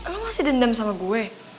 kamu masih dendam sama gue